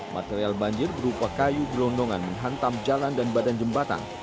material banjir berupa kayu gelondongan menghantam jalan dan badan jembatan